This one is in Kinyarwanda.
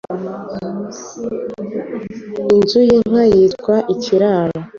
Inzu y’Inka yitwa Ikiraro